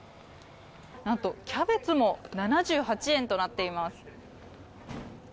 なんとキャベツも７８円となっています。